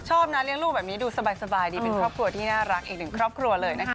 ชอบนะเลี้ยงลูกแบบนี้ดูสบายดีเป็นครอบครัวที่น่ารักอีกหนึ่งครอบครัวเลยนะคะ